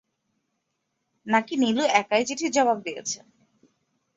নাকি নীলু একাই চিঠির জবাব দিয়েছে?